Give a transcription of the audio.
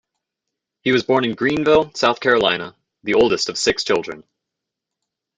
He was born in Greenville, South Carolina, the oldest of six children.